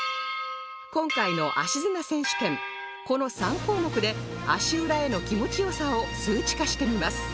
今回の足砂選手権この３項目で足裏への気持ち良さを数値化してみます